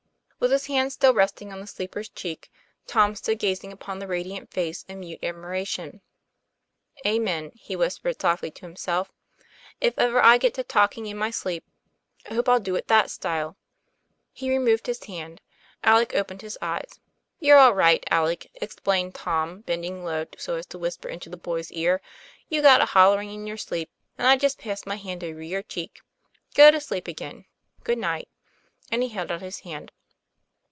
With his hand still resting on the sleeper's cheek, Tom stood gazing upon the radiant face in mute admiration. " Amen, " he whispered softly to himself. " If ever I get to talking in my sleep, I hope I'll do it that style." He removed his hand; Alec opened his eyes. 'You're all right, Alec," explained Tom, bending low so as to whisper into the boy's ear, "You got a hollering in your sleep, and I just passed my hand over your cheek. Go to sleep again. Goodnight." And he held out his hand.